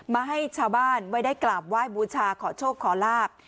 มาให้ชาวบ้านไว้ได้กราบไหว้บูชาขอโชคขอลาบ